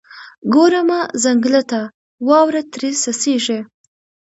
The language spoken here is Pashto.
ګورمه ځنګله ته، واوره ترې څڅیږي